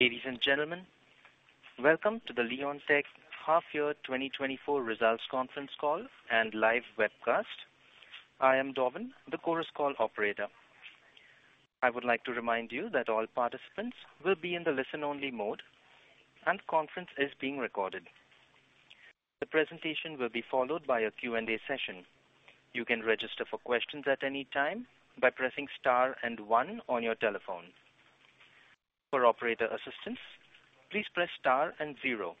Ladies and gentlemen, welcome to the Leonteq Half Year 2024 Results Conference Call and live webcast. I am Dobbin, the Chorus Call operator. I would like to remind you that all participants will be in the listen-only mode, and conference is being recorded. The presentation will be followed by a Q&A session. You can register for questions at any time by pressing star and one on your telephone. For operator assistance, please press star and zero.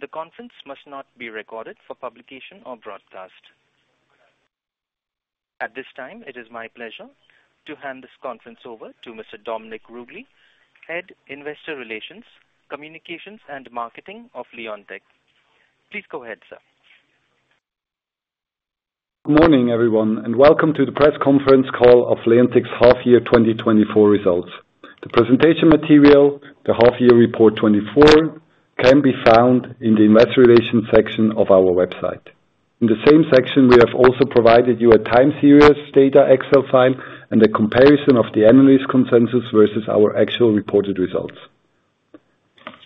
The conference must not be recorded for publication or broadcast. At this time, it is my pleasure to hand this conference over to Mr. Dominik Ruggli, Head, Investor Relations, Communications and Marketing of Leonteq. Please go ahead, sir. Good morning, everyone, and welcome to the press conference call of Leonteq's half year 2024 results. The presentation material, the Half Year Report 2024, can be found in the Investor Relations section of our website. In the same section, we have also provided you a time series data Excel file and a comparison of the analyst consensus versus our actual reported results.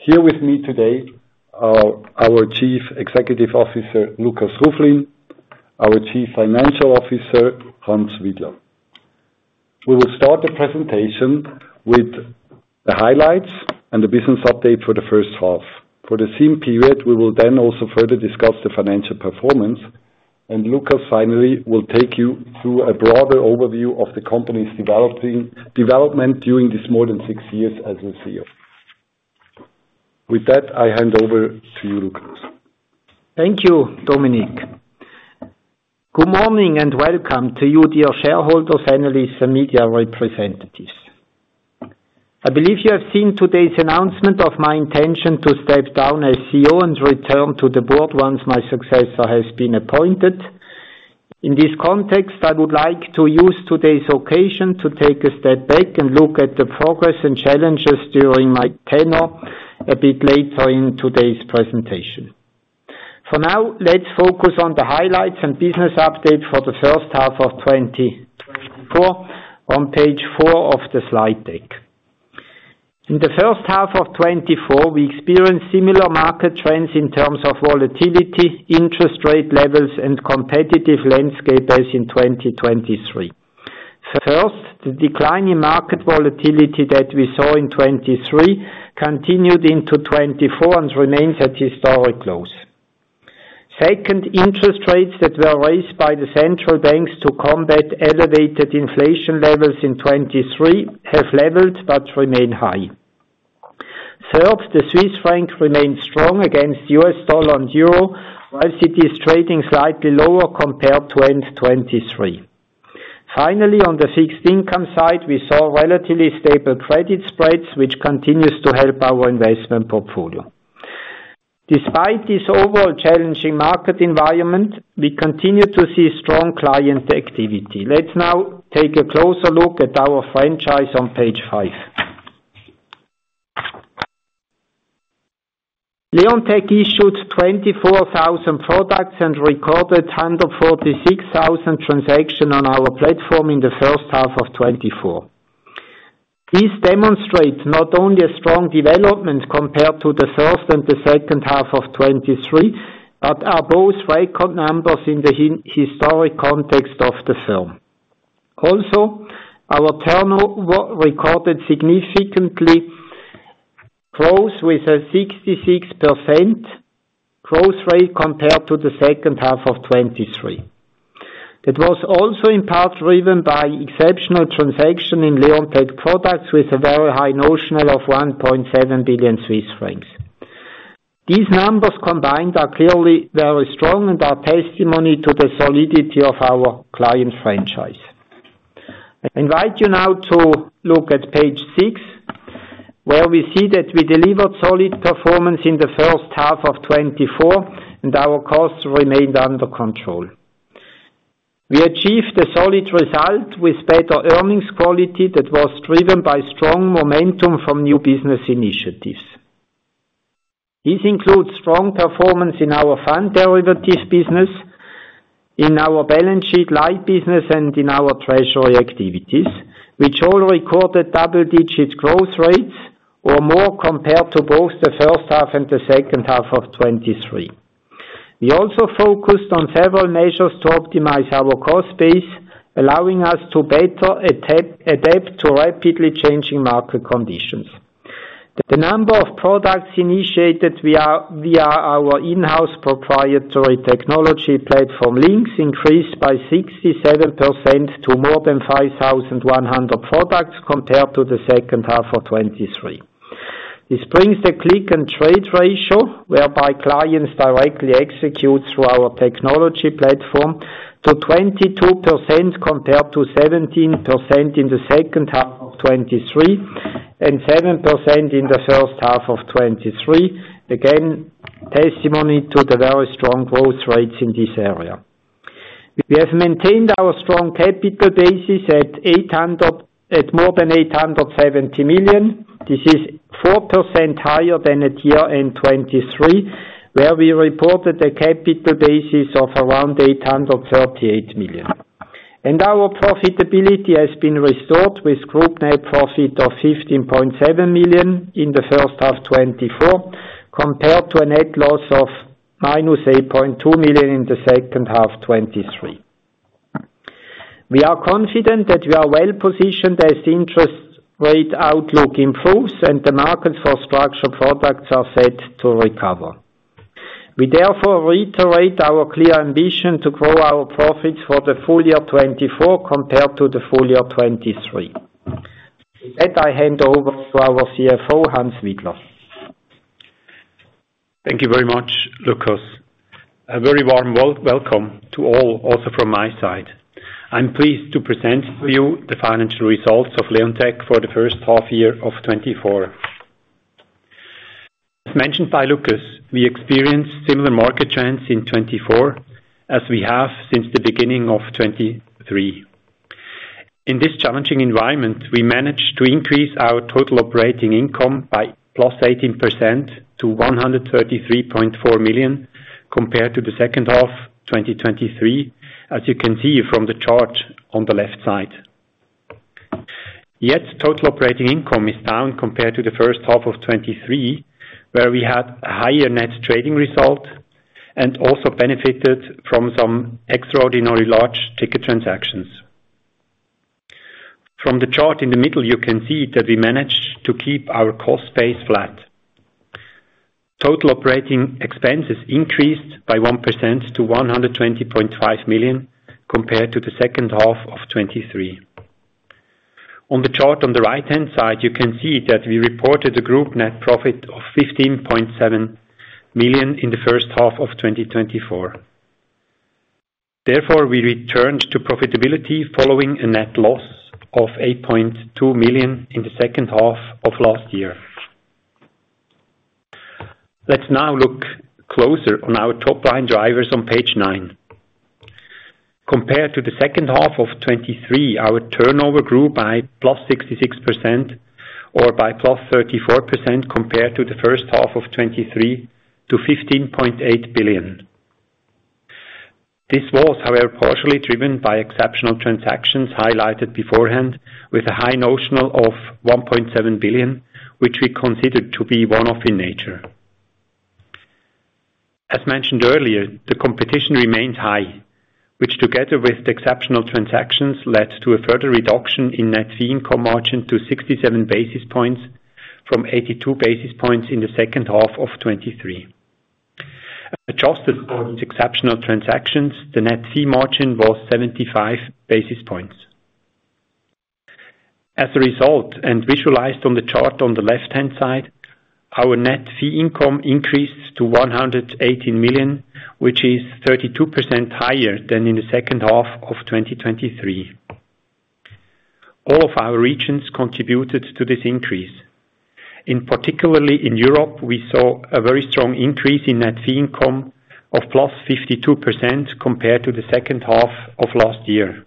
Here with me today are our Chief Executive Officer, Lukas Ruflin, our Chief Financial Officer, Hans Widler. We will start the presentation with the highlights and the business update for the first half. For the same period, we will then also further discuss the financial performance, and Lukas finally will take you through a broader overview of the company's development during this more than six years as a CEO. With that, I hand over to you, Lukas. Thank you, Dominik. Good morning, and welcome to you, dear shareholders, analysts, and media representatives. I believe you have seen today's announcement of my intention to step down as CEO and return to the board once my successor has been appointed. In this context, I would like to use today's occasion to take a step back and look at the progress and challenges during my tenure a bit later in today's presentation. For now, let's focus on the highlights and business update for the first half of 2024 on page 4 of the slide deck. In the first half of 2024, we experienced similar market trends in terms of volatility, interest rate levels, and competitive landscape as in 2023. First, the decline in market volatility that we saw in 2023 continued into 2024 and remains at historic lows. Second, interest rates that were raised by the central banks to combat elevated inflation levels in 2023 have leveled but remain high. Third, the Swiss franc remains strong against U.S. dollar and euro, while it is trading slightly lower compared to 2023. Finally, on the fixed income side, we saw relatively stable credit spreads, which continue to help our investment portfolio. Despite this overall challenging market environment, we continue to see strong client activity. Let's now take a closer look at our franchise on page 5. Leonteq issued 24,000 products and recorded 146,000 transactions on our platform in the first half of 2024. This demonstrates not only a strong development compared to the first and the second half of 2023, but are both record numbers in the historic context of the firm. Also, our turnover recorded significant growth with a 66% growth rate compared to the second half of 2023. It was also in part driven by exceptional transactions in Leonteq products, with a very high notional of 1.7 billion Swiss francs. These numbers combined are clearly very strong and are testimony to the solidity of our client franchise. I invite you now to look at page 6, where we see that we delivered solid performance in the first half of 2024, and our costs remained under control. We achieved a solid result with better earnings quality that was driven by strong momentum from new business initiatives. This includes strong performance in our fund derivatives business, in our balance sheet light business, and in our treasury activities, which all recorded double-digit growth rates or more compared to both the first half and the second half of 2023. We also focused on several measures to optimize our cost base, allowing us to better adapt to rapidly changing market conditions. The number of products initiated via our in-house proprietary technology platform, LynQs, increased by 67% to more than 5,100 products compared to the second half of 2023. This brings the click-and-trade ratio, whereby clients directly execute through our technology platform, to 22%, compared to 17% in the second half of 2023, and 7% in the first half of 2023. Again, testimony to the very strong growth rates in this area. We have maintained our strong capital bases at more than 870 million. This is 4% higher than at year-end 2023, where we reported a capital basis of around 838 million. Our profitability has been restored with group net profit of 15.7 million in the first half of 2024, compared to a net loss of 8.2 million in the second half of 2023. We are confident that we are well-positioned as interest rate outlook improves, and the markets for structured products are set to recover. We therefore reiterate our clear ambition to grow our profits for the full year 2024 compared to the full year 2023. With that, I hand over to our CFO, Hans Widler. Thank you very much, Lukas. A very warm welcome to all, also from my side. I'm pleased to present to you the financial results of Leonteq for the first half of 2024. As mentioned by Lukas, we experienced similar market trends in 2024, as we have since the beginning of 2023. In this challenging environment, we managed to increase our total operating income by +18% to 133.4 million, compared to the second half of 2023, as you can see from the chart on the left side. Yet, total operating income is down compared to the first half of 2023, where we had a higher net trading result and also benefited from some extraordinary large ticket transactions. From the chart in the middle, you can see that we managed to keep our cost base flat. Total operating expenses increased by 1% to 120.5 million, compared to the second half of 2023. On the chart on the right-hand side, you can see that we reported a group net profit of 15.7 million in the first half of 2024. Therefore, we returned to profitability following a net loss of -8.2 million in the second half of last year. Let's now look closer on our top-line drivers on page 9. Compared to the second half of 2023, our turnover grew by +66% or by +34% compared to the first half of 2023 to 15.8 billion. This was, however, partially driven by exceptional transactions highlighted beforehand, with a high notional of 1.7 billion, which we considered to be one-off in nature. As mentioned earlier, the competition remains high, which, together with the exceptional transactions, led to a further reduction in net fee income margin to 67 basis points from 82 basis points in the second half of 2023. Adjusted for these exceptional transactions, the net fee margin was 75 basis points. As a result, and visualized on the chart on the left-hand side, our net fee income increased to 118 million, which is 32% higher than in the second half of 2023. All of our regions contributed to this increase. In particular in Europe, we saw a very strong increase in net fee income of +52% compared to the second half of last year.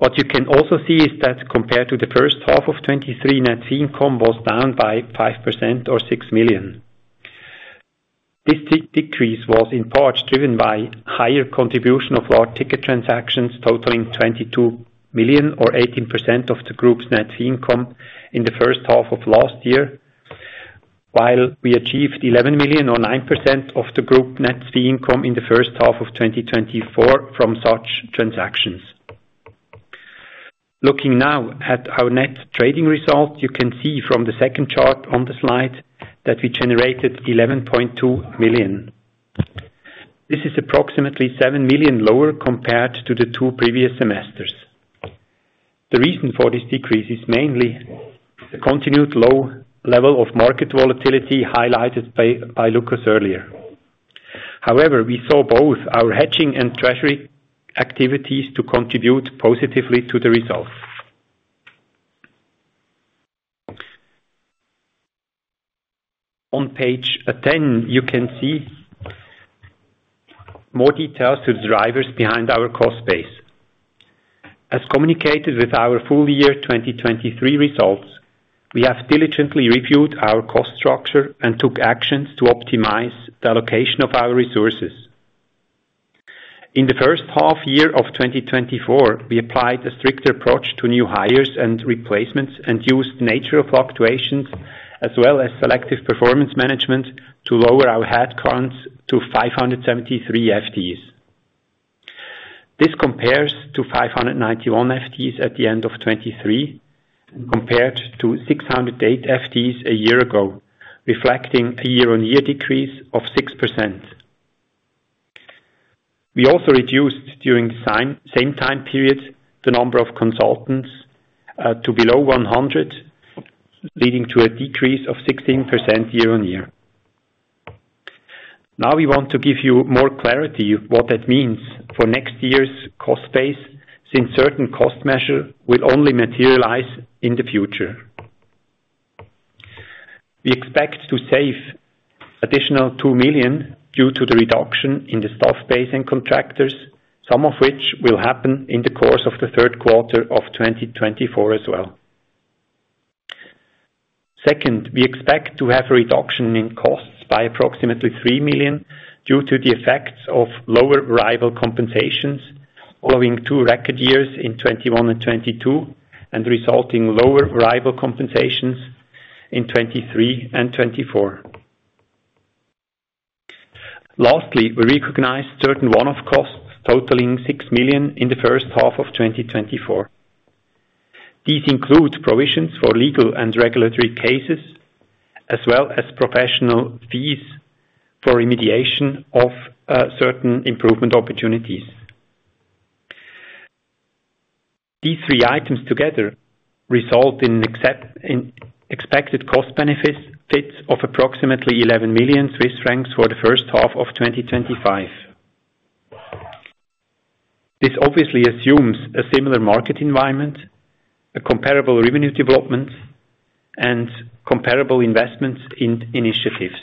What you can also see is that compared to the first half of 2023, net fee income was down by 5% or 6 million. This decrease was in part driven by higher contribution of large ticket transactions, totaling 22 million or 18% of the group's net fee income in the first half of last year, while we achieved 11 million or 9% of the group net fee income in the first half of 2024 from such transactions. Looking now at our net trading results, you can see from the second chart on the slide that we generated 11.2 million. This is approximately 7 million lower compared to the two previous semesters. The reason for this decrease is mainly the continued low level of market volatility, highlighted by Lukas earlier. However, we saw both our hedging and treasury activities to contribute positively to the results. On page ten, you can see more details to the drivers behind our cost base. As communicated with our full year 2023 results, we have diligently reviewed our cost structure and took actions to optimize the allocation of our resources. In the first half year of 2024, we applied a stricter approach to new hires and replacements, and used natural fluctuations as well as selective performance management to lower our headcounts to 573 FTEs. This compares to 591 FTEs at the end of 2023, and compared to 608 FTEs a year ago, reflecting a year-on-year decrease of 6%. We also reduced, during the same time period, the number of consultants to below 100, leading to a decrease of 16% year-on-year. Now, we want to give you more clarity of what that means for next year's cost base, since certain cost measures will only materialize in the future. We expect to save an additional 2 million due to the reduction in the staff base and contractors, some of which will happen in the course of the third quarter of 2024 as well. Second, we expect to have a reduction in costs by approximately 3 million, due to the effects of lower variable compensations, following two record years in 2021 and 2022, and resulting lower variable compensations in 2023 and 2024. Lastly, we recognized certain one-off costs totaling 6 million in the first half of 2024. These include provisions for legal and regulatory cases, as well as professional fees for remediation of certain improvement opportunities. These three items together result in expected cost benefits of approximately 11 million Swiss francs for the first half of 2025. This obviously assumes a similar market environment, a comparable revenue development, and comparable investments in initiatives.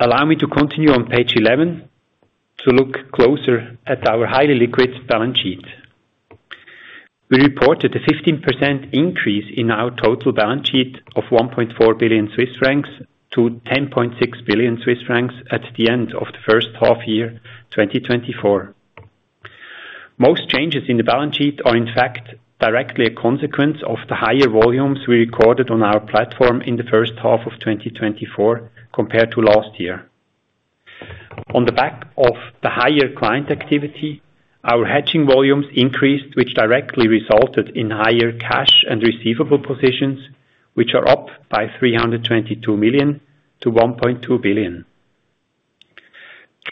Allow me to continue on page 11, to look closer at our highly liquid balance sheet. We reported a 15% increase in our total balance sheet of 1.4 billion Swiss francs to 10.6 billion Swiss francs at the end of the first half year, 2024. Most changes in the balance sheet are, in fact, directly a consequence of the higher volumes we recorded on our platform in the first half of 2024, compared to last year. On the back of the higher client activity, our hedging volumes increased, which directly resulted in higher cash and receivable positions, which are up by 322 million to 1.2 billion.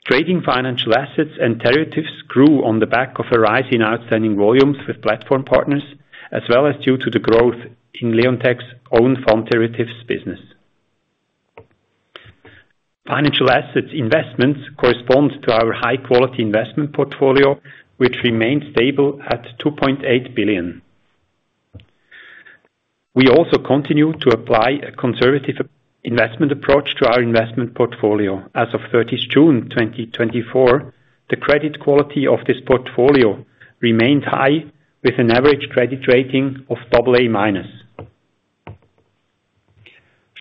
Trading financial assets and derivatives grew on the back of a rise in outstanding volumes with platform partners, as well as due to the growth in Leonteq's own fund derivatives business. Financial assets investments correspond to our high quality investment portfolio, which remains stable at 2.8 billion. We also continue to apply a conservative investment approach to our investment portfolio. As of 30 June 2024, the credit quality of this portfolio remained high, with an average credit rating of AA-.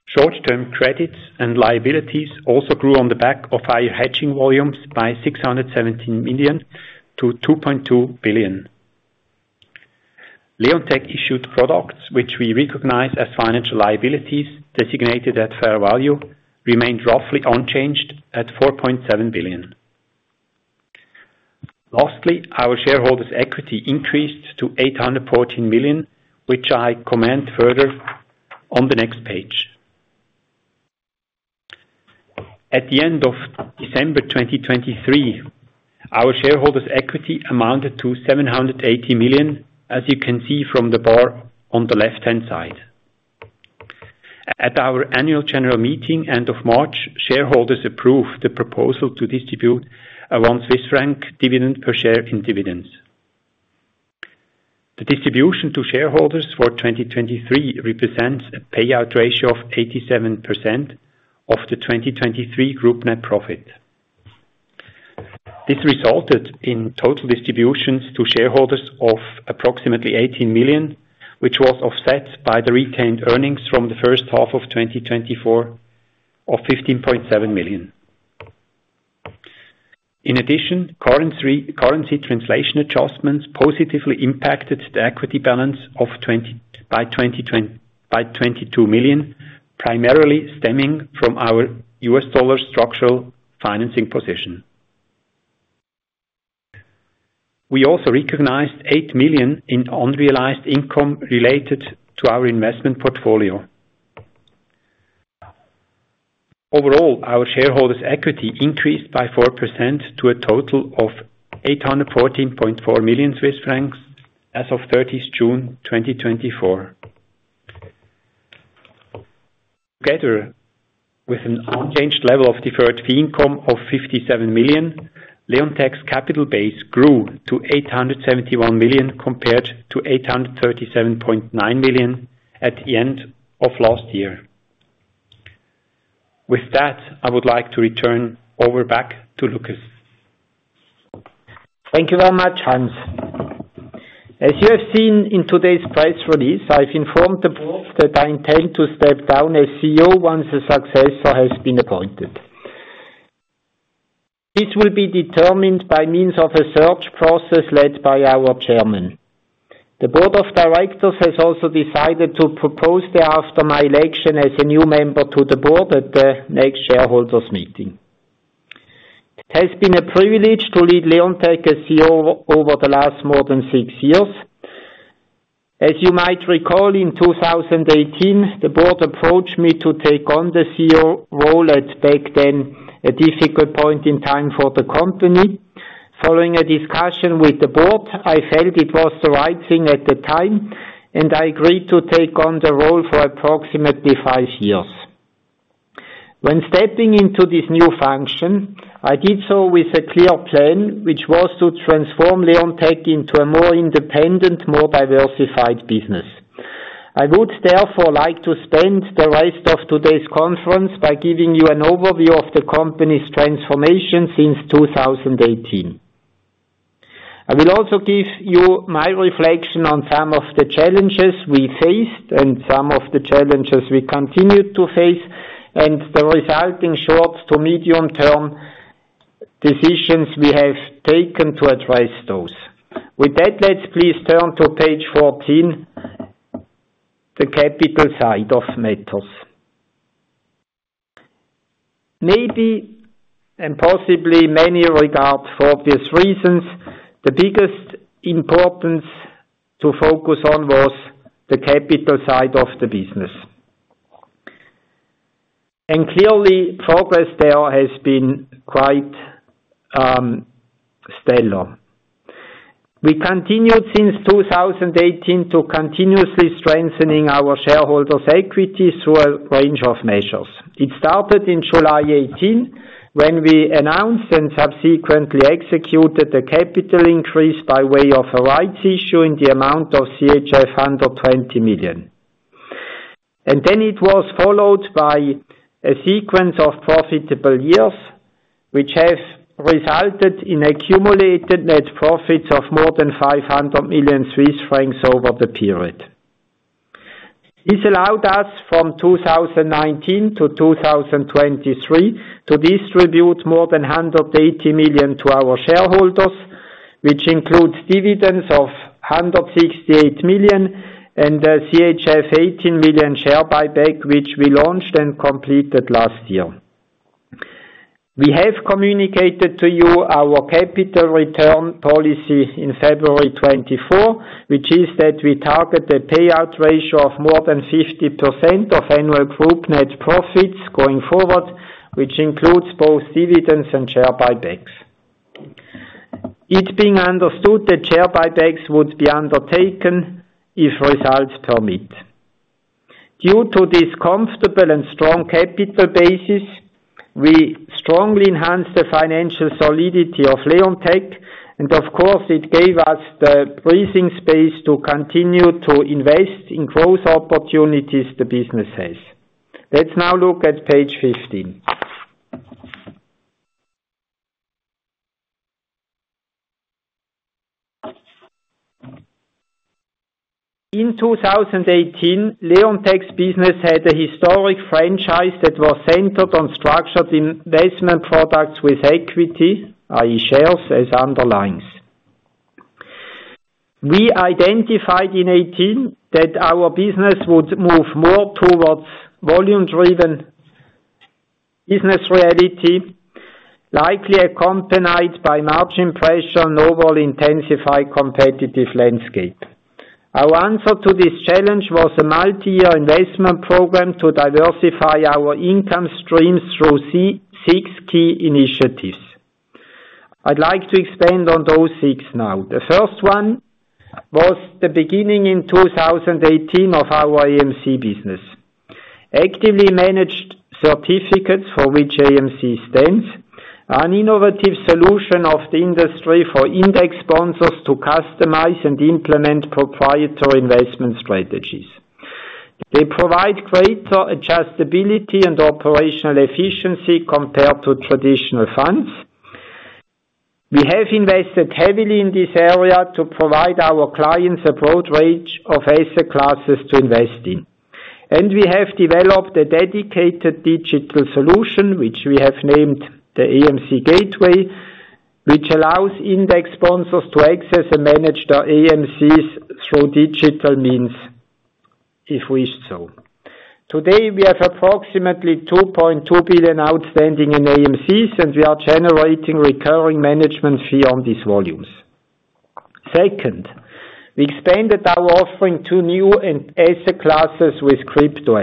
Short-term credits and liabilities also grew on the back of higher hedging volumes by 617 million to 2.2 billion. Leonteq issued products, which we recognize as financial liabilities designated at fair value, remained roughly unchanged at 4.7 billion. Lastly, our shareholders' equity increased to 814 million, which I comment further on the next page. At the end of December 2023, our shareholders' equity amounted to 780 million, as you can see from the bar on the left-hand side. At our annual general meeting, end of March, shareholders approved the proposal to distribute around Swiss franc dividends per share in dividends. The distribution to shareholders for 2023 represents a payout ratio of 87% of the 2023 group net profit. This resulted in total distributions to shareholders of approximately 18 million, which was offset by the retained earnings from the first half of 2024 of 15.7 million. In addition, currency translation adjustments positively impacted the equity balance by 22 million, primarily stemming from our US dollar structural financing position. We also recognized 8 million in unrealized income related to our investment portfolio. Overall, our shareholders' equity increased by 4% to a total of 814.4 million Swiss francs as of 30 June 2024. Together, with an unchanged level of deferred fee income of 57 million, Leonteq's capital base grew to 871 million, compared to 837.9 million at the end of last year. With that, I would like to return over back to Lukas. Thank you very much, Hans. As you have seen in today's press release, I've informed the board that I intend to step down as CEO once a successor has been appointed. This will be determined by means of a search process led by our chairman. The board of directors has also decided to propose thereafter my election as a new member to the board at the next shareholders meeting. It has been a privilege to lead Leonteq as CEO over the last more than six years. As you might recall, in 2018, the board approached me to take on the CEO role at, back then, a difficult point in time for the company. Following a discussion with the board, I felt it was the right thing at the time, and I agreed to take on the role for approximately five years. When stepping into this new function, I did so with a clear plan, which was to transform Leonteq into a more independent, more diversified business. I would therefore like to spend the rest of today's conference by giving you an overview of the company's transformation since 2018. I will also give you my reflection on some of the challenges we faced and some of the challenges we continue to face, and the resulting short- to medium-term decisions we have taken to address those. With that, let's please turn to page 14, the capital side of matters. Maybe, and possibly many regard for these reasons, the biggest importance to focus on was the capital side of the business. Clearly, progress there has been quite stellar. We continued since 2018 to continuously strengthening our shareholders' equities through a range of measures. It started in July 2018, when we announced and subsequently executed a capital increase by way of a rights issue in the amount of CHF fund of 20 million. And then it was followed by a sequence of profitable years, which have resulted in accumulated net profits of more than 500 million Swiss francs over the period. This allowed us from 2019 to 2023, to distribute more than 180 million to our shareholders, which includes dividends of 168 million and a CHF 18 million share buyback, which we launched and completed last year. We have communicated to you our capital return policy in February 2024, which is that we target a payout ratio of more than 50% of annual group net profits going forward, which includes both dividends and share buybacks. It being understood that share buybacks would be undertaken if results permit. Due to this comfortable and strong capital basis, we strongly enhanced the financial solidity of Leonteq, and of course, it gave us the breathing space to continue to invest in growth opportunities the business has. Let's now look at page 15. In 2018, Leonteq's business had a historic franchise that was centered on structured investment products with equity, i.e., shares as underlyings. We identified in 2018 that our business would move more towards volume-driven business reality, likely accompanied by margin pressure and overall intensified competitive landscape. Our answer to this challenge was a multi-year investment program to diversify our income streams through six key initiatives. I'd like to expand on those six now. The first one was the beginning in 2018 of our AMC business. Actively Managed Certificates, for which AMC stands, are an innovative solution of the industry for index sponsors to customize and implement proprietary investment strategies. They provide greater adjustability and operational efficiency compared to traditional funds. We have invested heavily in this area to provide our clients a broad range of asset classes to invest in. We have developed a dedicated digital solution, which we have named the AMC Gateway, which allows index sponsors to access and manage their AMCs through digital means, if wished so. Today, we have approximately 2.2 billion outstanding in AMCs, and we are generating recurring management fee on these volumes. Second, we expanded our offering to new asset classes with crypto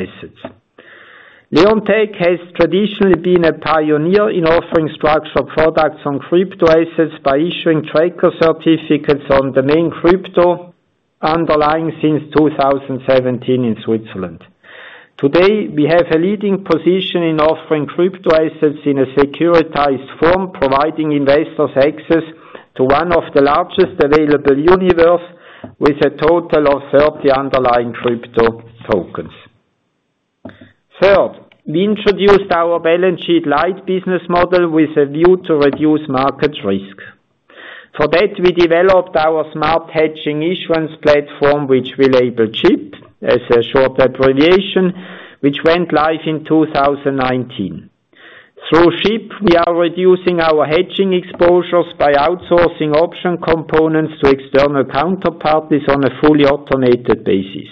assets. Leonteq has traditionally been a pioneer in offering structured products on crypto assets by issuing tracker certificates on the main crypto underlying since 2017 in Switzerland. Today, we have a leading position in offering crypto assets in a securitized form, providing investors access to one of the largest available universe, with a total of 30 underlying crypto tokens. Third, we introduced our balance sheet light business model with a view to reduce market risk. For that, we developed our Smart Hedging Issuance Platform, which we labeled SHIP as a short abbreviation, which went live in 2019. Through SHIP, we are reducing our hedging exposures by outsourcing option components to external counterparties on a fully automated basis.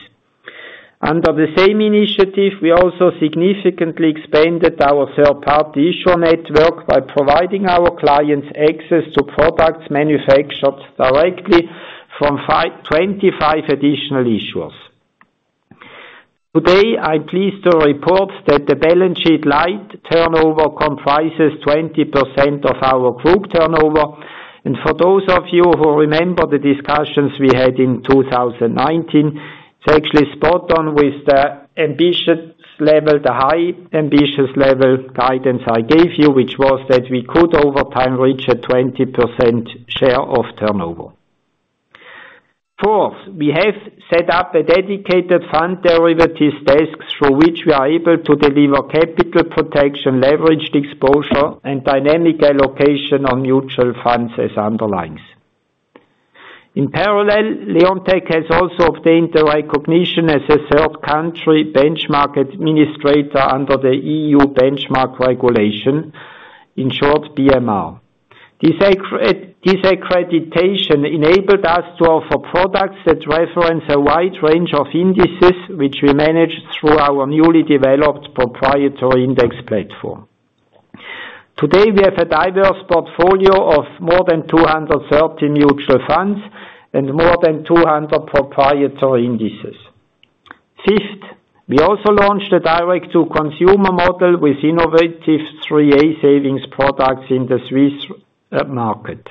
Under the same initiative, we also significantly expanded our third-party issuer network by providing our clients access to products manufactured directly from 25 additional issuers. Today, I'm pleased to report that the balance sheet light turnover comprises 20% of our group turnover, and for those of you who remember the discussions we had in 2019, it's actually spot on with the ambitious level, the high ambitious level guidance I gave you, which was that we could, over time, reach a 20% share of turnover. Fourth, we have set up a dedicated fund derivatives desk, through which we are able to deliver capital protection, leveraged exposure, and dynamic allocation on mutual funds as underlyings. In parallel, Leonteq has also obtained the recognition as a third country benchmark administrator under the EU Benchmark Regulation, in short, BMR. This accreditation enabled us to offer products that reference a wide range of indices, which we manage through our newly developed proprietary index platform. Today, we have a diverse portfolio of more than 230 mutual funds and more than 200 proprietary indices. Fifth, we also launched a direct-to-consumer model with innovative 3a savings products in the Swiss market.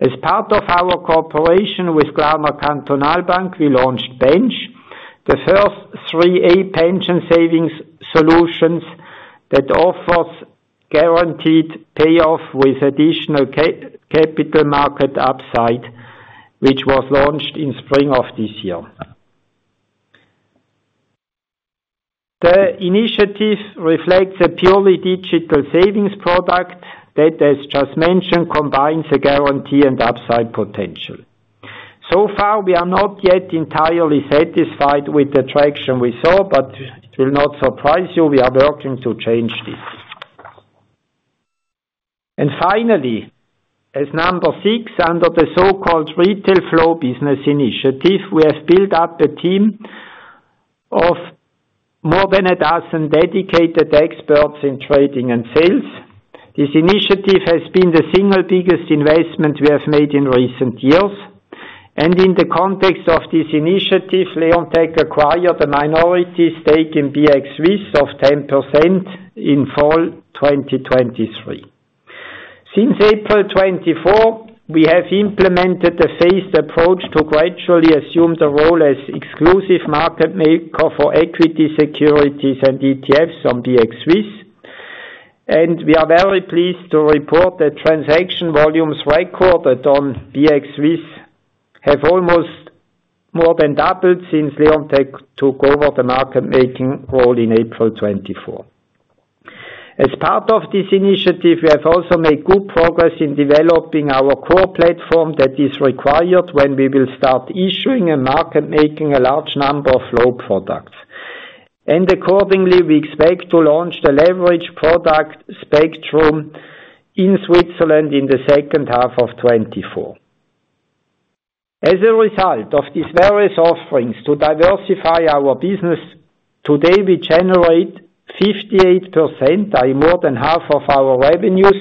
As part of our cooperation with Raiffeisen Kantonalbank, we launched Bench, the first 3a pension savings solutions that offers guaranteed payoff with additional capital market upside, which was launched in spring of this year. The initiatives reflect a purely digital savings product that, as just mentioned, combines a guarantee and upside potential. So far, we are not yet entirely satisfied with the traction we saw, but it will not surprise you, we are working to change this. And finally, as number six, under the so-called retail flow business initiative, we have built up a team of more than a dozen dedicated experts in trading and sales. This initiative has been the single biggest investment we have made in recent years, and in the context of this initiative, Leonteq acquired a minority stake in BX Swiss of 10% in fall 2023. Since April 2024, we have implemented a phased approach to gradually assume the role as exclusive market maker for equity, securities, and ETFs on BX Swiss. We are very pleased to report that transaction volumes recorded on BX Swiss have almost more than doubled since Leonteq took over the market-making role in April 2024. As part of this initiative, we have also made good progress in developing our core platform that is required when we will start issuing and market-making a large number of flow products. Accordingly, we expect to launch the leverage product spectrum in Switzerland in the second half of 2024. As a result of these various offerings to diversify our business, today, we generate 58%, by more than half of our revenues,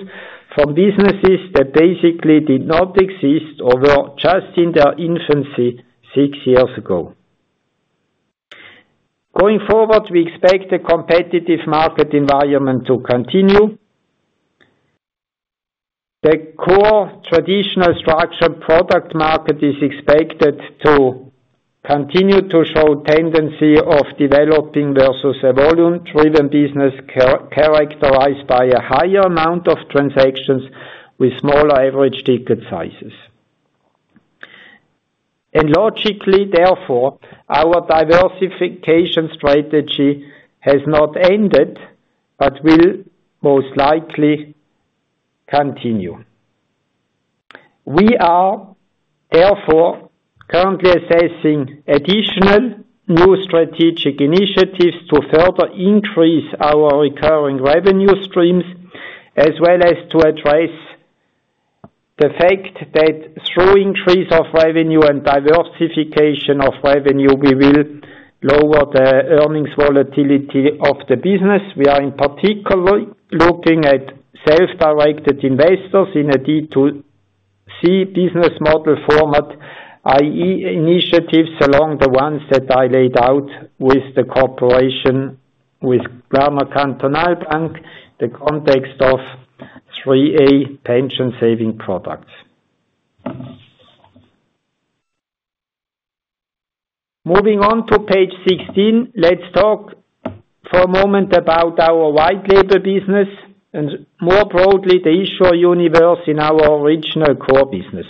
from businesses that basically did not exist or were just in their infancy six years ago. Going forward, we expect the competitive market environment to continue. The core traditional structured product market is expected to continue to show tendency of developing versus a volume-driven business characterized by a higher amount of transactions with smaller average ticket sizes. And logically, therefore, our diversification strategy has not ended, but will most likely continue. We are therefore currently assessing additional new strategic initiatives to further increase our recurring revenue streams, as well as to address the fact that through increase of revenue and diversification of revenue, we will lower the earnings volatility of the business. We are in particular looking at self-directed investors in a D2C business model format, i.e. initiatives along the ones that I laid out with the cooperation with Raiffeisen Kantonalbank, the context of 3a pension saving products. Moving on to page 16, let's talk for a moment about our white-label business, and more broadly, the issuer universe in our original core business.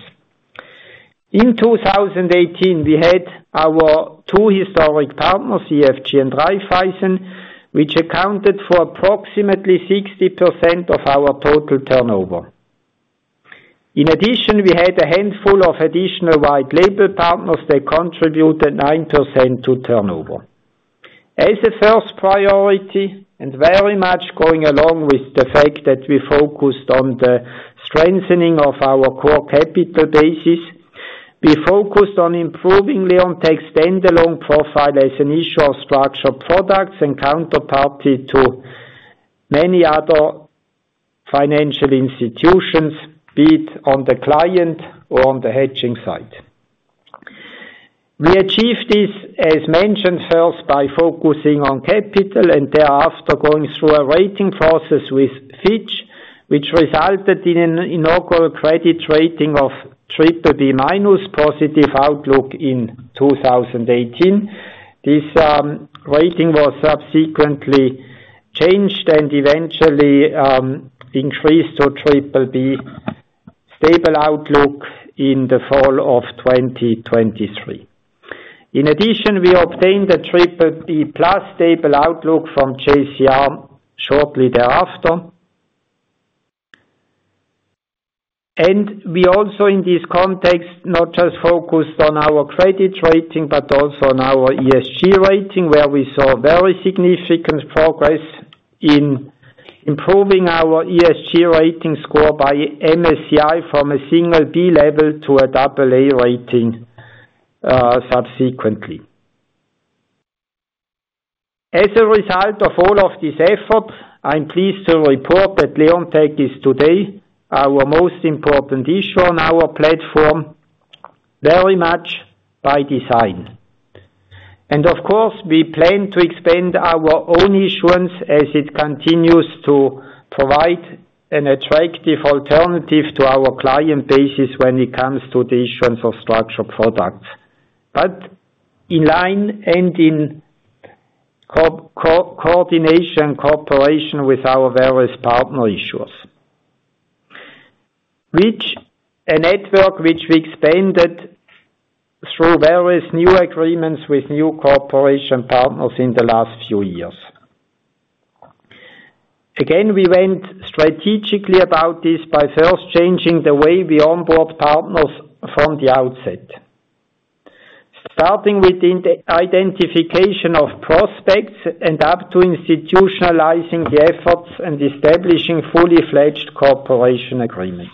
In 2018, we had our two historic partners, EFG and Raiffeisen, which accounted for approximately 60% of our total turnover. In addition, we had a handful of additional white-label partners that contributed 9% to turnover. As a first priority, and very much going along with the fact that we focused on the strengthening of our core capital basis, we focused on improving Leonteq's standalone profile as an issuer of structured products and counterparty to many other financial institutions, be it on the client or on the hedging side. We achieved this, as mentioned, first by focusing on capital and thereafter going through a rating process with Fitch, which resulted in an inaugural credit rating of triple B minus, positive outlook in 2018. This rating was subsequently changed and eventually increased to triple B, stable outlook in the fall of 2023. In addition, we obtained a triple B plus stable outlook from JCR shortly thereafter. We also, in this context, not just focused on our credit rating, but also on our ESG rating, where we saw very significant progress in improving our ESG rating score by MSCI from a single B level to a double A rating, subsequently. As a result of all of this effort, I'm pleased to report that Leonteq is today our most important issuer on our platform, very much by design. Of course, we plan to expand our own issuance as it continues to provide an attractive alternative to our client bases when it comes to the issuance of structured products. But in line and in coordination, cooperation with our various partner issuers, a network which we expanded through various new agreements with new cooperation partners in the last few years. Again, we went strategically about this by first changing the way we onboard partners from the outset. Starting with identification of prospects and up to institutionalizing the efforts and establishing fully-fledged cooperation agreements.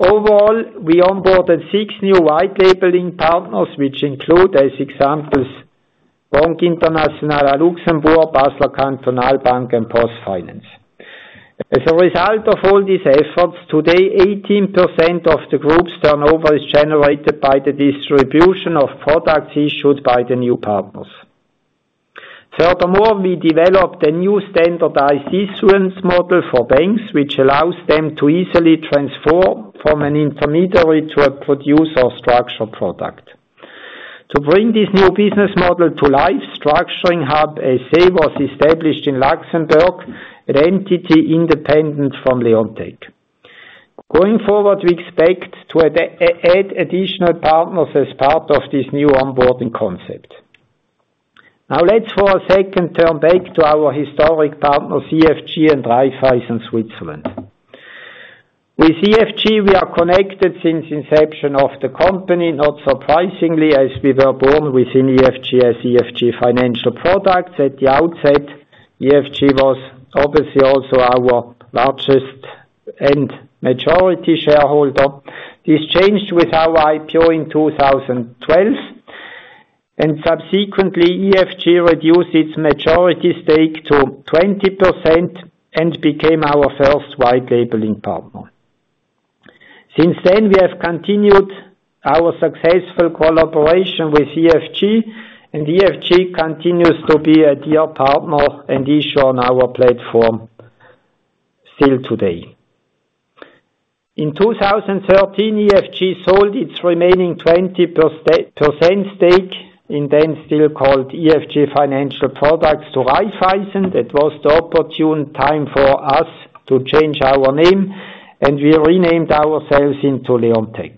Overall, we onboarded six new white-labeling partners, which include, as examples, Banque Internationale à Luxembourg, Basler Kantonalbank, and PostFinance. As a result of all these efforts, today, 18% of the group's turnover is generated by the distribution of products issued by the new partners. Furthermore, we developed a new standardized issuance model for banks, which allows them to easily transform from an intermediary to a producer structured product. To bring this new business model to life, StructuringHUB SA was established in Luxembourg, an entity independent from Leonteq. Going forward, we expect to add additional partners as part of this new onboarding concept. Now, let's for a second turn back to our historic partners, EFG and Raiffeisen Switzerland. With EFG, we are connected since inception of the company, not surprisingly, as we were born within EFG as EFG Financial Products. At the outset, EFG was obviously also our largest and majority shareholder. This changed with our IPO in 2012, and subsequently, EFG reduced its majority stake to 20% and became our first white-labeling partner. Since then, we have continued our successful collaboration with EFG, and EFG continues to be a dear partner and issuer on our platform still today. In 2013, EFG sold its remaining 20% stake in then still called EFG Financial Products to Raiffeisen. That was the opportune time for us to change our name, and we renamed ourselves into Leonteq.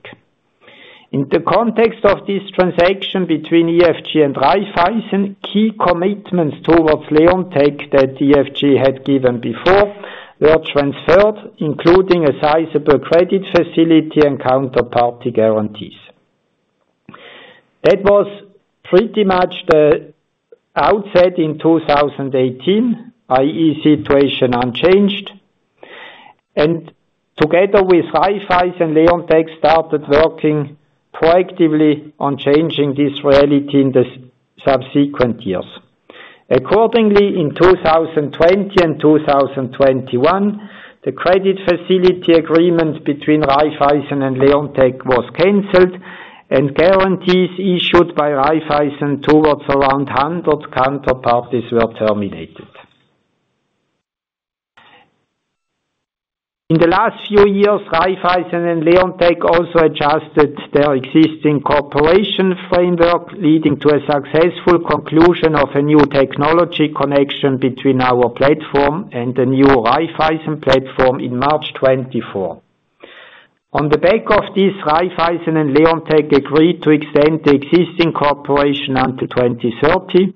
In the context of this transaction between EFG and Raiffeisen, key commitments towards Leonteq that EFG had given before were transferred, including a sizable credit facility and counterparty guarantees. That was pretty much the outset in 2018, i.e., situation unchanged, and together with Raiffeisen, Leonteq started working proactively on changing this reality in the subsequent years. Accordingly, in 2020 and 2021, the credit facility agreement between Raiffeisen and Leonteq was canceled, and guarantees issued by Raiffeisen towards around 100 counterparties were terminated. In the last few years, Raiffeisen and Leonteq also adjusted their existing cooperation framework, leading to a successful conclusion of a new technology connection between our platform and the new Raiffeisen platform in March 2024. On the back of this, Raiffeisen and Leonteq agreed to extend the existing cooperation until 2030.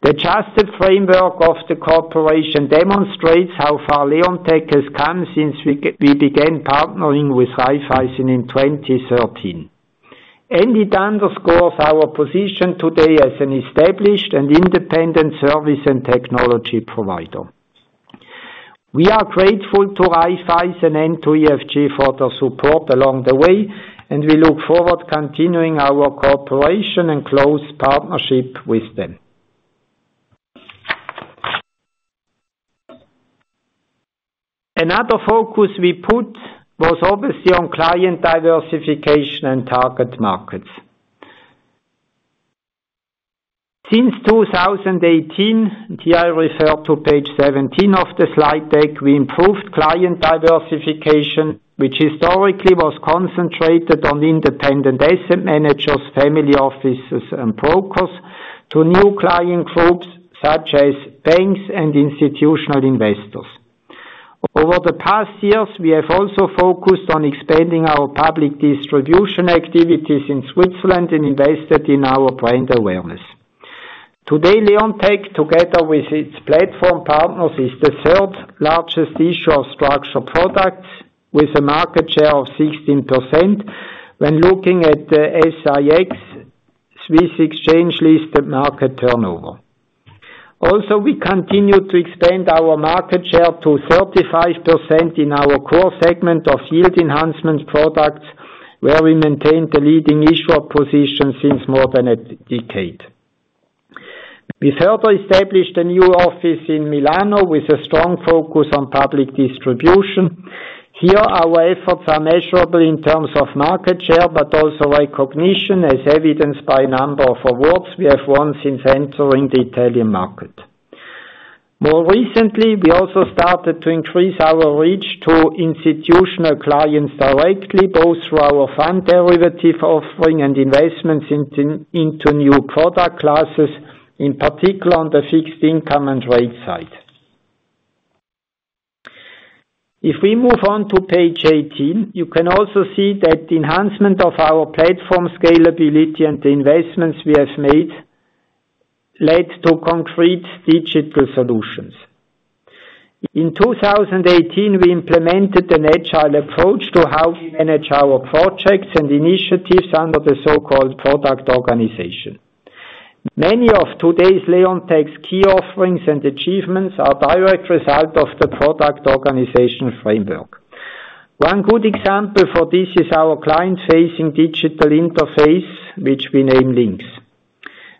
The adjusted framework of the cooperation demonstrates how far Leonteq has come since we, we began partnering with Raiffeisen in 2013. It underscores our position today as an established and independent service and technology provider. We are grateful to Raiffeisen and to EFG for their support along the way, and we look forward to continuing our cooperation and close partnership with them. Another focus we put was obviously on client diversification and target markets. Since 2018, here I refer to page 17 of the slide deck, we improved client diversification, which historically was concentrated on independent asset managers, family offices, and brokers, to new client groups, such as banks and institutional investors. Over the past years, we have also focused on expanding our public distribution activities in Switzerland, and invested in our brand awareness. Today, Leonteq, together with its platform partners, is the third largest issuer of structured products, with a market share of 16%, when looking at the SIX Swiss Exchange listed market turnover. Also, we continue to expand our market share to 35% in our core segment of yield enhancement products, where we maintain the leading issuer position since more than a decade. We further established a new office in Milan with a strong focus on public distribution. Here, our efforts are measurable in terms of market share, but also recognition, as evidenced by a number of awards we have won since entering the Italian market. More recently, we also started to increase our reach to institutional clients directly, both through our fund derivative offering and investments into new product classes, in particular, on the fixed income and rate side. If we move on to page 18, you can also see that the enhancement of our platform scalability and the investments we have made led to concrete digital solutions. In 2018, we implemented an agile approach to how we manage our projects and initiatives under the so-called Product Organization. Many of today's Leonteq's key offerings and achievements are a direct result of the Product Organization framework. One good example for this is our client-facing digital interface, which we name LynQs.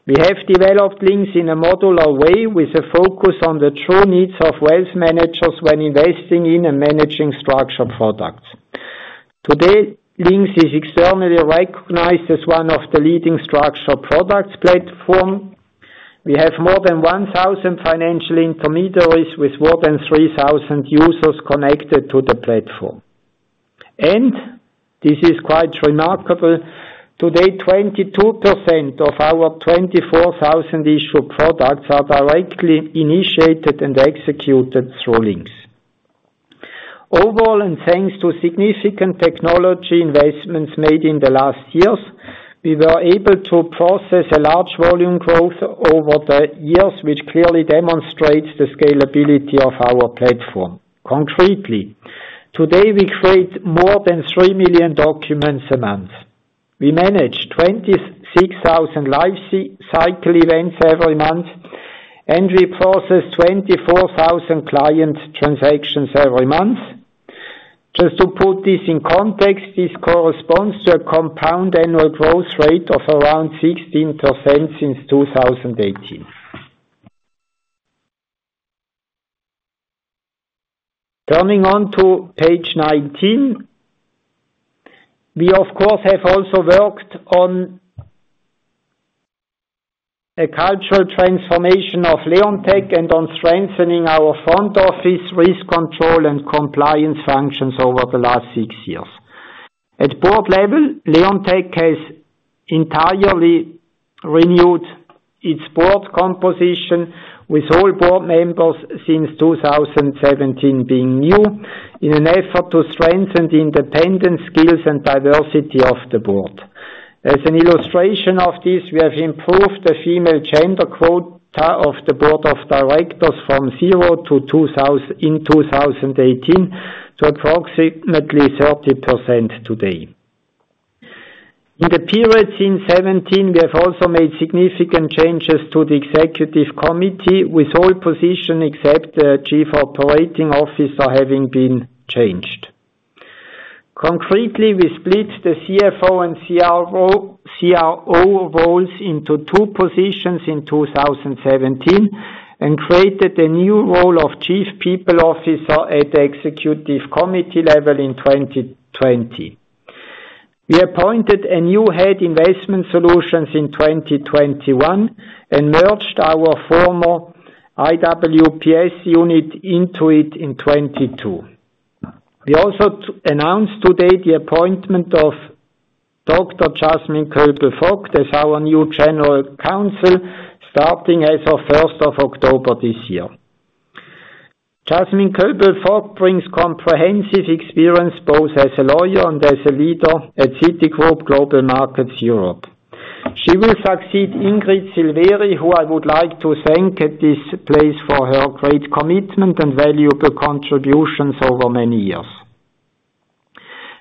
We have developed LynQs in a modular way, with a focus on the true needs of wealth managers when investing in and managing structured products. Today, LynQs is externally recognized as one of the leading structured products platform. We have more than 1,000 financial intermediaries, with more than 3,000 users connected to the platform. This is quite remarkable, today, 22% of our 24,000 issued products are directly initiated and executed through LynQs. Overall, and thanks to significant technology investments made in the last years, we were able to process a large volume growth over the years, which clearly demonstrates the scalability of our platform. Concretely, today, we create more than 3 million documents a month. We manage 26,000 life-cycle events every month, and we process 24,000 client transactions every month. Just to put this in context, this corresponds to a compound annual growth rate of around 16% since 2018. Turning to page 19. We, of course, have also worked on a cultural transformation of Leonteq and on strengthening our front office risk control and compliance functions over the last six years. At board level, Leonteq has entirely renewed its board composition, with all board members since 2017 being new, in an effort to strengthen the independent skills and diversity of the board. As an illustration of this, we have improved the female gender quota of the board of directors from 0% in 2018 to approximately 30% today. In the period since 2017, we have also made significant changes to the executive committee, with all positions, except the Chief Operating Officer, having been changed. Concretely, we split the CFO and CRO roles into two positions in 2017, and created a new role of Chief People Officer at the executive committee level in 2020. We appointed a new Head of Investment Solutions in 2021, and merged our former IWPS unit into it in 2022. We also announce today the appointment of Dr. Jasmin Koelbl-Vogt as our new general counsel, starting as of first of October this year. Jasmin Koelbl-Vogt brings comprehensive experience, both as a lawyer and as a leader at Citigroup Global Markets Europe. She will succeed Ingrid Silveri, who I would like to thank at this place for her great commitment and valuable contributions over many years.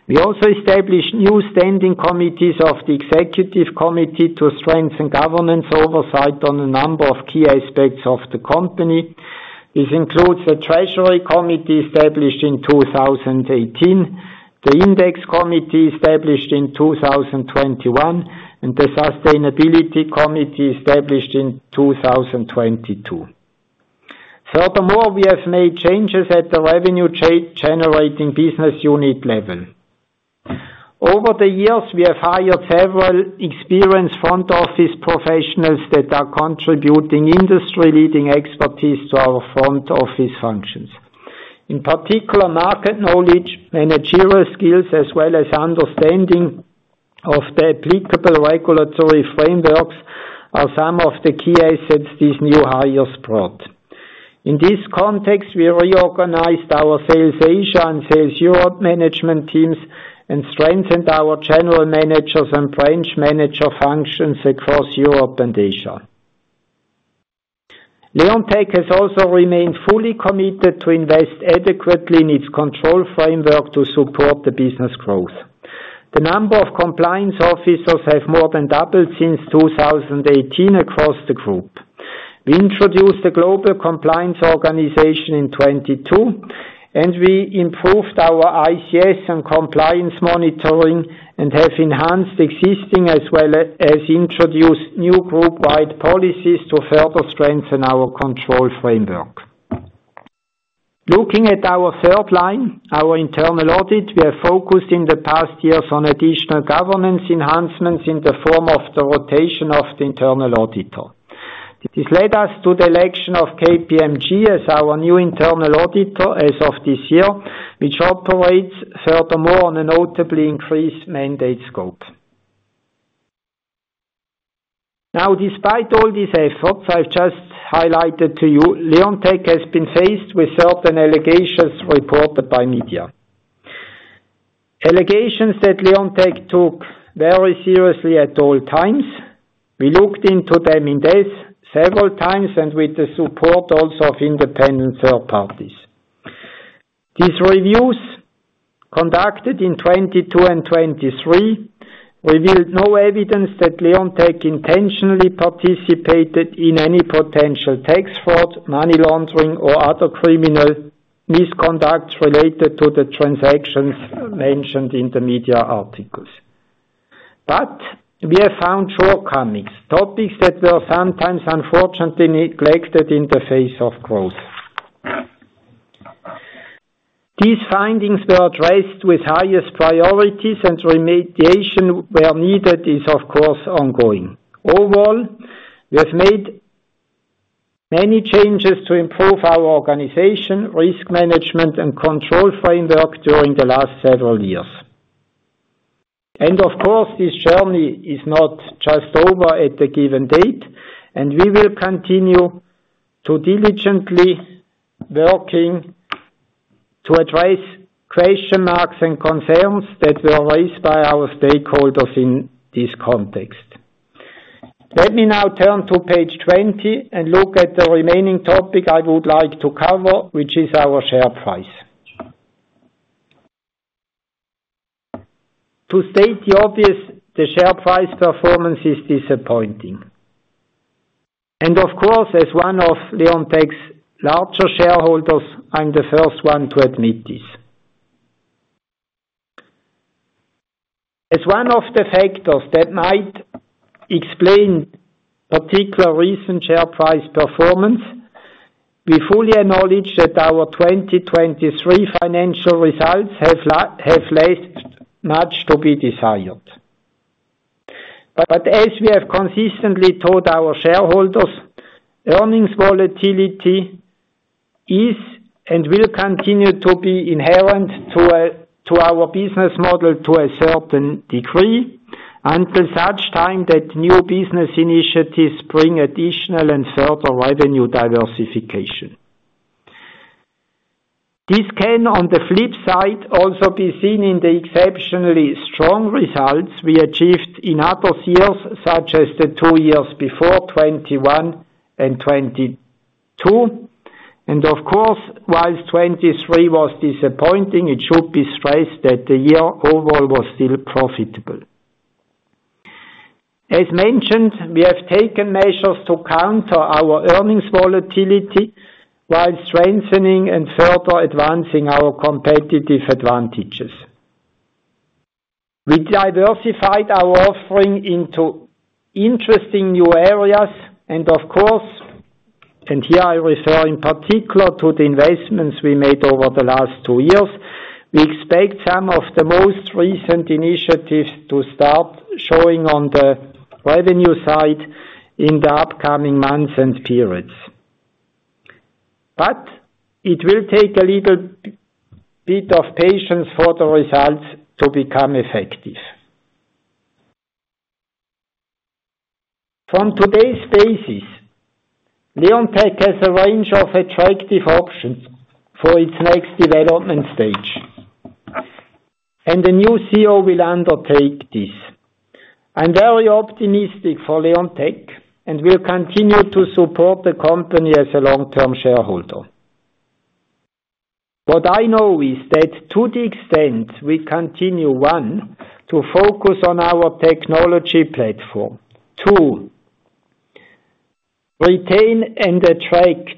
We also established new standing committees of the executive committee to strengthen governance oversight on a number of key aspects of the company. This includes a Treasury Committee established in 2018, the Index Committee established in 2021, and the Sustainability Committee established in 2022. Furthermore, we have made changes at the revenue trade generating business unit level. Over the years, we have hired several experienced front office professionals that are contributing industry-leading expertise to our front office functions. In particular, market knowledge, managerial skills, as well as understanding of the applicable regulatory frameworks are some of the key assets these new hires brought. In this context, we reorganized our Sales Asia and Sales Europe management teams, and strengthened our general managers and branch manager functions across Europe and Asia. Leonteq has also remained fully committed to invest adequately in its control framework to support the business growth. The number of compliance officers have more than doubled since 2018 across the group. We introduced a global compliance organization in 2022, and we improved our ICS and compliance monitoring, and have enhanced existing as well as introduced new group-wide policies to further strengthen our control framework. Looking at our third line, our internal audit, we are focused in the past years on additional governance enhancements in the form of the rotation of the internal auditor. This led us to the election of KPMG as our new internal auditor as of this year, which operates furthermore on a notably increased mandate scope. Now, despite all these efforts I've just highlighted to you, Leonteq has been faced with certain allegations reported by media. Allegations that Leonteq took very seriously at all times. We looked into them in-depth several times, and with the support also of independent third parties. These reviews, conducted in 2022 and 2023, revealed no evidence that Leonteq intentionally participated in any potential tax fraud, money laundering, or other criminal misconduct related to the transactions mentioned in the media articles. But we have found shortcomings, topics that were sometimes unfortunately neglected in the face of growth. These findings were addressed with highest priorities, and remediation where needed, is, of course, ongoing. Overall, we have made many changes to improve our organization, risk management, and control framework during the last several years. Of course, this journey is not just over at the given date, and we will continue to diligently working to address question marks and concerns that were raised by our stakeholders in this context. Let me now turn to page 20 and look at the remaining topic I would like to cover, which is our share price. To state the obvious, the share price performance is disappointing. Of course, as one of Leonteq's larger shareholders, I'm the first one to admit this. As one of the factors that might explain particular recent share price performance, we fully acknowledge that our 2023 financial results have left much to be desired. But as we have consistently told our shareholders, earnings volatility is and will continue to be inherent to, to our business model to a certain degree, until such time that new business initiatives bring additional and further revenue diversification. This can, on the flip side, also be seen in the exceptionally strong results we achieved in other years, such as the two years before, 2021 and 2022. And of course, whilst 2023 was disappointing, it should be stressed that the year overall was still profitable. As mentioned, we have taken measures to counter our earnings volatility while strengthening and further advancing our competitive advantages. We diversified our offering into interesting new areas, and of course, and here I refer in particular to the investments we made over the last two years, we expect some of the most recent initiatives to start showing on the revenue side in the upcoming months and periods. But it will take a little bit of patience for the results to become effective. From today's basis, Leonteq has a range of attractive options for its next development stage, and the new CEO will undertake this. I'm very optimistic for Leonteq, and will continue to support the company as a long-term shareholder. What I know is that to the extent we continue, one, to focus on our technology platform. Two, retain and attract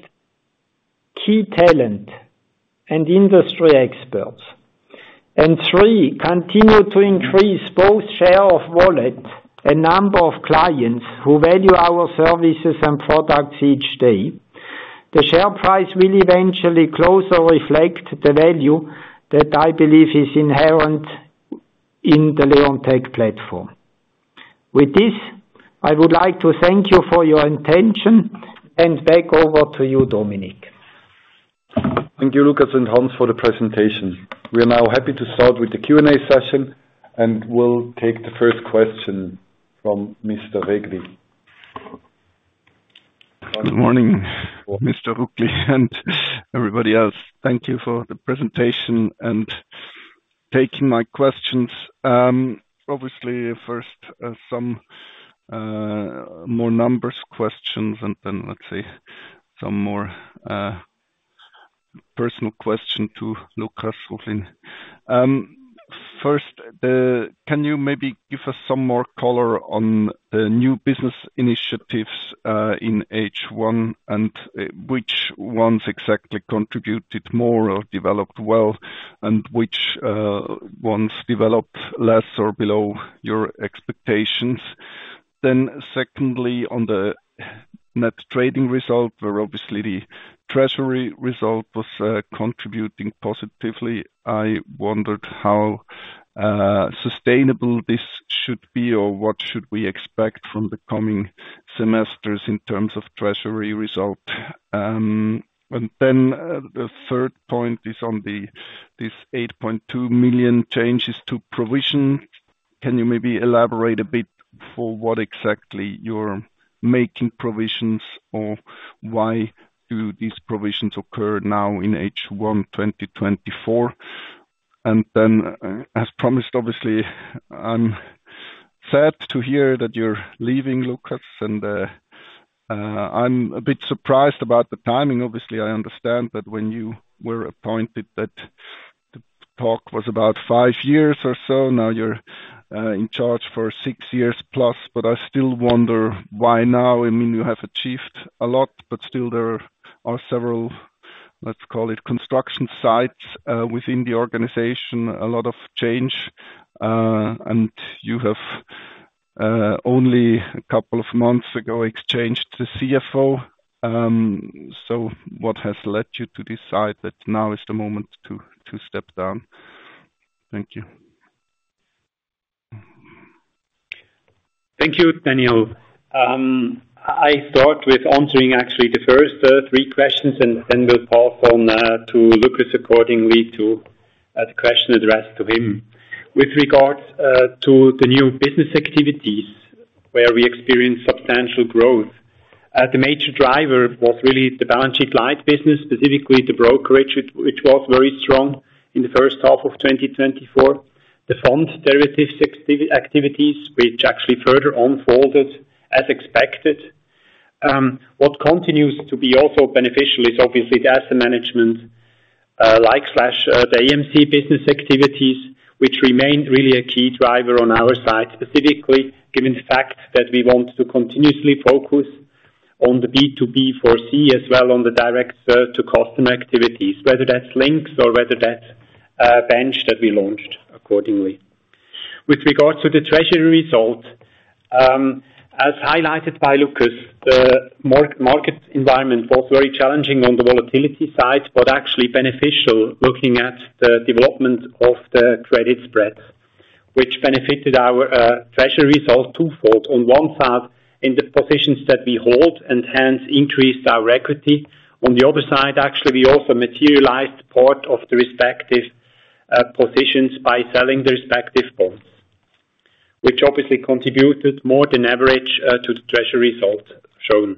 key talent and industry experts. And three, continue to increase both share of wallet and number of clients who value our services and products each day. The share price will eventually come closer to reflect the value that I believe is inherent in the Leonteq platform. With this, I would like to thank you for your attention, and hand back over to you, Dominik.... Thank you, Lukas and Hans, for the presentation. We are now happy to start with the Q&A session, and we'll take the first question from Mr. Regli. Good morning, Mr. Ruflin, and everybody else. Thank you for the presentation and taking my questions. Obviously, first, some more numbers questions, and then let's say some more personal question to Lukas Ruflin. First, can you maybe give us some more color on the new business initiatives in H1, and which ones exactly contributed more or developed well, and which ones developed less or below your expectations? Then secondly, on the net trading result, where obviously the treasury result was contributing positively, I wondered how sustainable this should be, or what should we expect from the coming semesters in terms of treasury result? And then, the third point is on this 8.2 million changes to provision. Can you maybe elaborate a bit for what exactly you're making provisions, or why do these provisions occur now in H1 2024? And then, as promised, obviously, I'm sad to hear that you're leaving, Lukas, and I'm a bit surprised about the timing. Obviously, I understand that when you were appointed that the talk was about 5 years or so. Now you're in charge for 6 years plus, but I still wonder why now? I mean, you have achieved a lot, but still there are several, let's call it construction sites, within the organization, a lot of change, and you have only a couple of months ago exchanged the CFO. So what has led you to decide that now is the moment to step down? Thank you. Thank you, Daniel. I start with answering actually the first three questions, and then we'll pass on to Lukas accordingly to the question addressed to him. With regards to the new business activities, where we experienced substantial growth, the major driver was really the balance sheet light business, specifically the brokerage, which was very strong in the first half of 2024. The fund derivatives activities, which actually further unfolded as expected. What continues to be also beneficial is obviously the asset management, like slash, the AMC business activities, which remained really a key driver on our side, specifically given the fact that we want to continuously focus on the B2B2C, as well on the direct to customer activities, whether that's LynQs or whether that's Bench that we launched accordingly. With regards to the treasury result, as highlighted by Lukas, the market environment was very challenging on the volatility side, but actually beneficial looking at the development of the credit spreads, which benefited our treasury result twofold. On one side, in the positions that we hold and hence increased our equity. On the other side, actually, we also materialized part of the respective positions by selling the respective bonds, which obviously contributed more than average to the treasury result shown.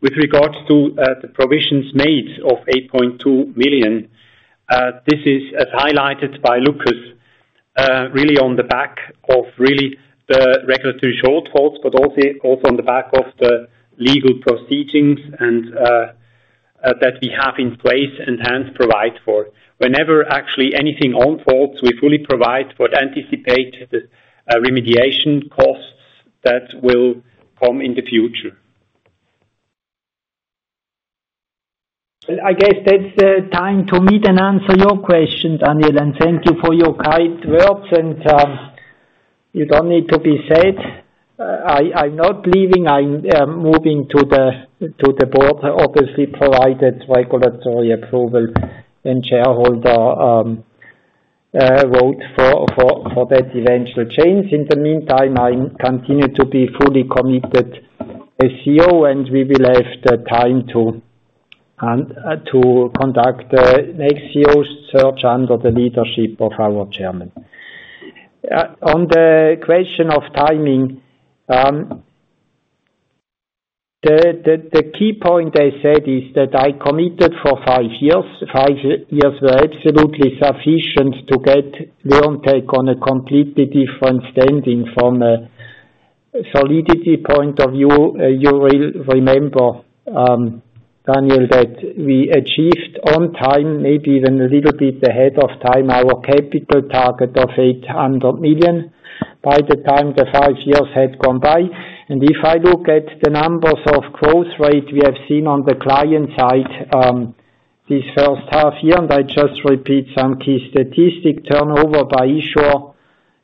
With regards to the provisions made of 8.2 million, this is, as highlighted by Lukas, really on the back of really the regulatory shortfalls, but also on the back of the legal proceedings and that we have in place and hence provide for. Whenever actually anything unfolds, we fully provide for anticipated remediation costs that will come in the future. I guess that's the time to meet and answer your question, Daniel, and thank you for your kind words, and, you don't need to be said, I, I'm not leaving. I'm moving to the, to the board, obviously, provided regulatory approval and shareholder, vote for, for, for that eventual change. In the meantime, I continue to be fully committed as CEO, and we will have the time to conduct next CEO search under the leadership of our chairman. On the question of timing, the, the, the key point I said is that I committed for five years. Five years were absolutely sufficient to get Leonteq on a completely different standing from a solidity point of view. You will remember, Daniel, that we achieved on time, maybe even a little bit ahead of time, our capital target of 800 million by the time the five years had gone by. And if I look at the numbers of growth rate we have seen on the client side, this first half year, and I just repeat some key statistics: turnover by issuer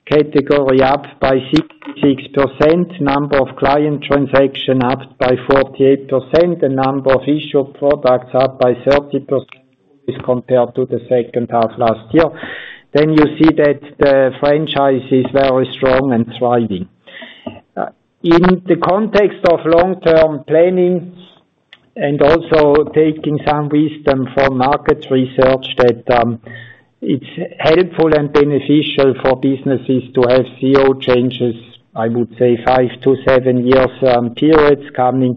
category, up by 66%, number of client transaction, up by 48%, and number of issuer products, up by 30% as compared to the second half last year. Then you see that the franchise is very strong and thriving. In the context of long-term planning, and also taking some wisdom from market research that, it's helpful and beneficial for businesses to have CEO changes, I would say 5-7 years periods coming.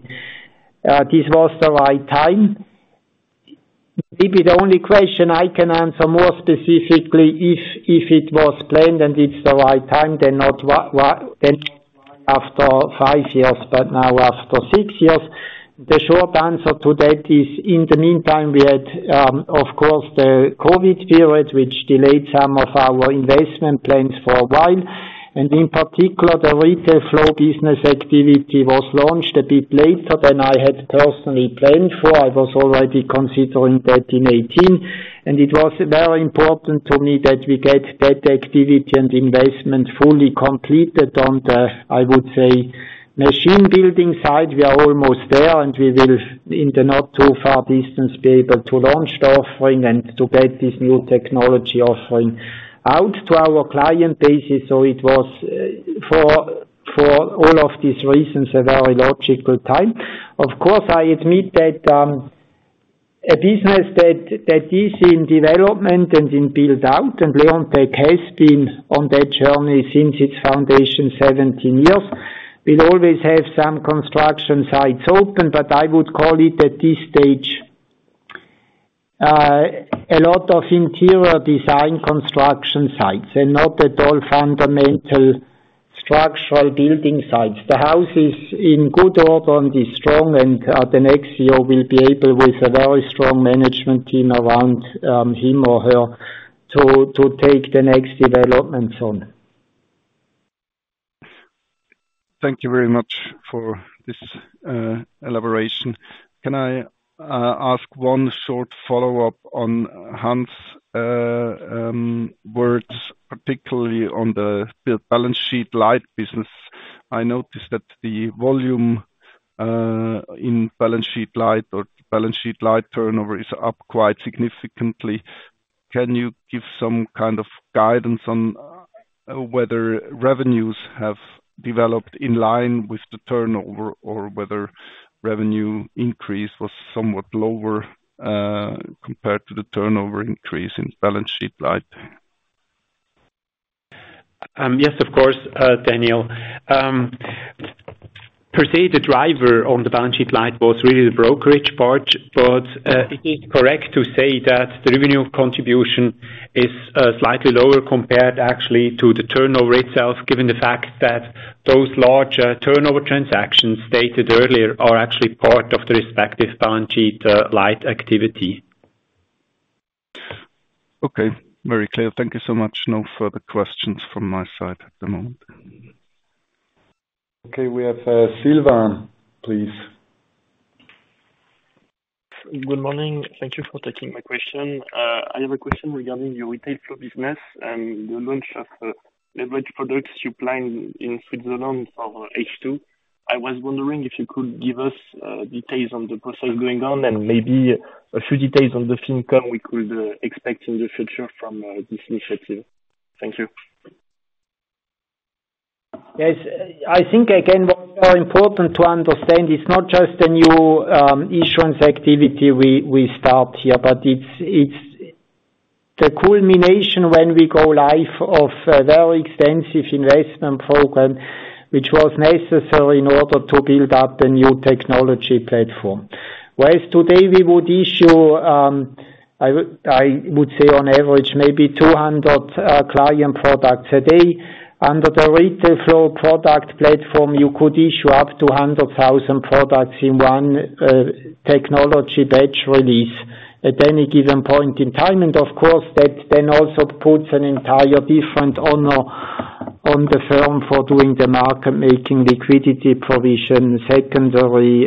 This was the right time. Maybe the only question I can answer more specifically, if it was planned and it's the right time, then not what, then after five years, but now after six years. The short answer to that is, in the meantime, we had, of course, the COVID period, which delayed some of our investment plans for a while. And in particular, the retail flow business activity was launched a bit later than I had personally planned for. I was already considering that in 2018, and it was very important to me that we get that activity and investment fully completed on the, I would say, machine building side, we are almost there, and we will, in the not too far distance, be able to launch the offering and to get this new technology offering out to our client base. So it was, for all of these reasons, a very logical time. Of course, I admit that, a business that is in development and in build-out, and Leonteq has been on that journey since its foundation, 17 years. We'll always have some construction sites open, but I would call it at this stage, a lot of interior design construction sites and not at all fundamental structural building sites. The house is in good order and is strong, and, the next CEO will be able, with a very strong management team around, him or her, to take the next developments on. Thank you very much for this, elaboration. Can I ask one short follow-up on Hans words, particularly on the balance sheet light business? I noticed that the volume in balance sheet light or balance sheet light turnover is up quite significantly. Can you give some kind of guidance on whether revenues have developed in line with the turnover, or whether revenue increase was somewhat lower compared to the turnover increase in balance sheet light? Yes, of course, Daniel. Per se, the driver on the balance sheet light was really the brokerage part, but it is correct to say that the revenue contribution is slightly lower compared actually to the turnover itself, given the fact that those larger turnover transactions stated earlier are actually part of the respective balance sheet light activity. Okay. Very clear. Thank you so much. No further questions from my side at the moment. Okay, we have, Sylvain, please. Good morning. Thank you for taking my question. I have a question regarding your retail flow business and the launch of leveraged products supplying in Switzerland for H2. I was wondering if you could give us details on the process going on and maybe a few details on the fee income we could expect in the future from this initiative. Thank you. Yes, I think again, what's more important to understand, it's not just a new insurance activity we start here, but it's the culmination when we go live of a very extensive investment program, which was necessary in order to build up a new technology platform. Whereas today we would issue, I would say on average, maybe 200 client products a day. Under the retail flow product platform, you could issue up to 100,000 products in one technology batch release at any given point in time. And of course, that then also puts an entire different onus on the firm for doing the market making liquidity provision, secondary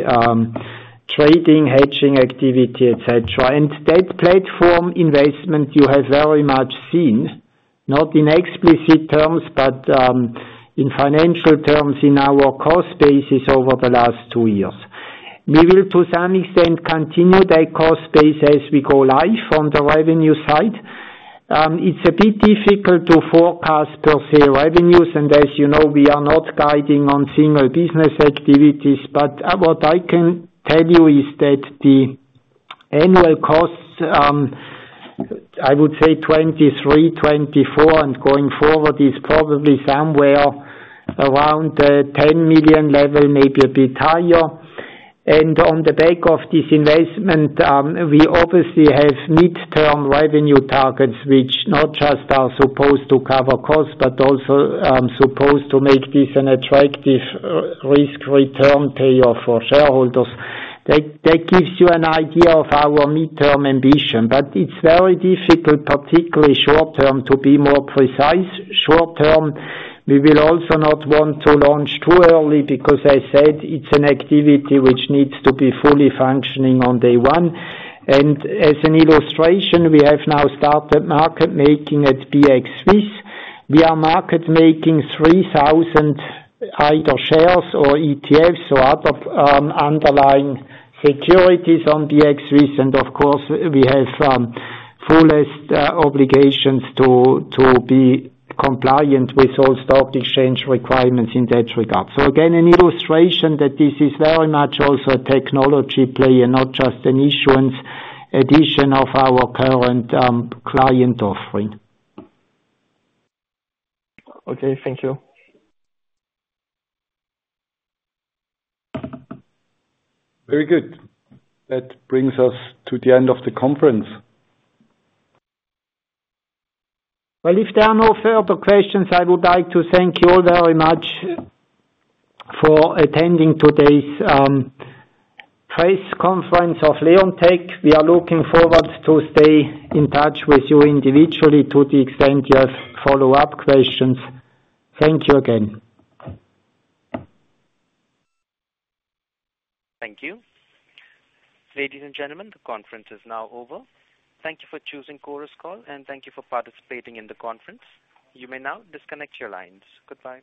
trading, hedging activity, et cetera. And that platform investment you have very much seen, not in explicit terms, but in financial terms, in our cost basis over the last two years. We will, to some extent, continue that cost base as we go live on the revenue side. It's a bit difficult to forecast per se, revenues, and as you know, we are not guiding on single business activities. But what I can tell you is that the annual costs, I would say 2023, 2024, and going forward, is probably somewhere around, 10 million level, maybe a bit higher. And on the back of this investment, we obviously have midterm revenue targets, which not just are supposed to cover costs, but also, supposed to make this an attractive, risk return payoff for shareholders. That gives you an idea of our midterm ambition, but it's very difficult, particularly short term, to be more precise. Short term, we will also not want to launch too early because I said it's an activity which needs to be fully functioning on day one. And as an illustration, we have now started market making at BX Swiss. We are market making 3,000 either shares or ETFs or other underlying securities on BX Swiss, and of course, we have some full-fledged obligations to be compliant with all stock exchange requirements in that regard. So again, an illustration that this is very much also a technology play and not just a mere addition of our current client offering. Okay, thank you. Very good. That brings us to the end of the conference. Well, if there are no further questions, I would like to thank you all very much for attending today's press conference of Leonteq. We are looking forward to stay in touch with you individually to the extent you have follow-up questions. Thank you again. Thank you. Ladies and gentlemen, the conference is now over. Thank you for choosing Chorus Call, and thank you for participating in the conference. You may now disconnect your lines. Goodbye.